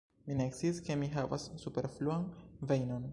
Mi ne sciis ke mi havas superfluan vejnon.